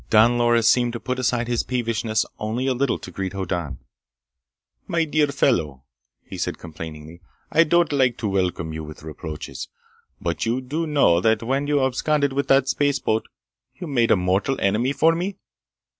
Don Loris seemed to put aside his peevishness only a little to greet Hoddan. "My dear fellow," he said complainingly, "I don't like to welcome you with reproaches, but do you know that when you absconded with that spaceboat, you made a mortal enemy for me?